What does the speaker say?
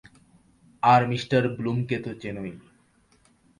আর Mr ব্লুমকে তো চেনোই।